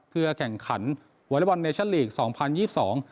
เพื่อแข่งขันวอเล็กบอลเนชั่นลีกสองพันยี่สิบสอง